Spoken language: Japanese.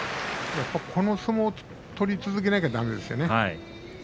こういう相撲を取り続けなきゃだめですね。